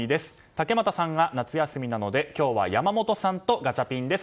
竹俣さんは夏休みなので今日は山本さんとガチャピンです。